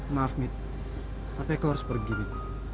maaf mit tapi aku harus pergi mit